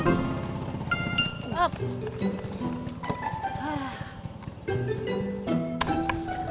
jangan proximat haben